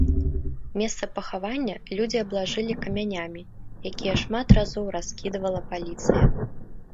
Месца пахавання людзі аблажылі камянямі, якія шмат разоў раскідвала паліцыя.